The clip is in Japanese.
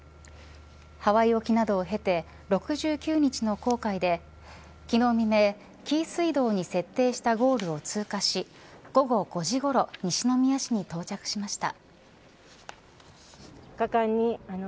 ハワイ沖などを経て６９日の航海で昨日未明、紀伊水道に設定したゴールを通過し午後５時ごろ西宮市に到着しました。